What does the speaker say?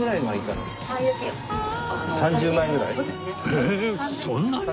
ええそんなに！？